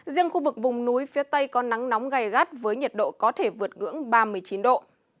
riêng khu vực vùng núi phía tây có nắng nóng gai gắt với nhiệt độ có thể vượt ngưỡng ba mươi chín độ